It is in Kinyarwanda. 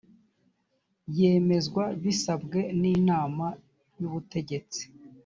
yemezwe bisabwe n inama y ubutegetsi